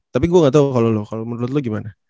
tapi gue gak tau kalau menurut lo gimana